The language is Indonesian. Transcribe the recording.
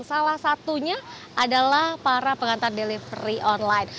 salah satunya adalah para pengantar delivery online